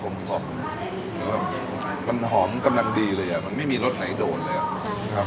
มันหอมกำลังดีเลยอะมันไม่มีรสไหนโดนเลยอ่ะ